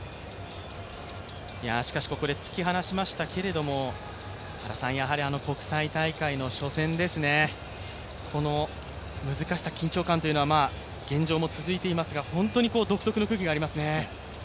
しかし、ここで突き放しましたけれども、国際大会の初戦ですね、難しさ、緊張感というのは現状も続いていますが、本当に独特の空気がありますね。